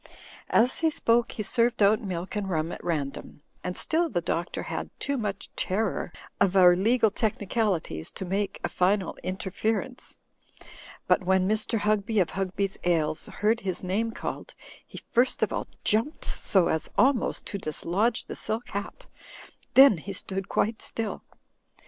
As he spoke, he served out milk and rum at random ; and still the Doctor had too much terror of our legal technicalities to make a final interference. But when Mr. Hugby, of Hugby's Ales, heard his name called, he first of all jumped so as almost to dislodge the silk hat, then he stood quite still.